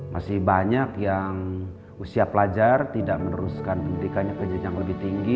masih banyak yang usia pelajar tidak meneruskan pendidikannya ke jenjang yang lebih tinggi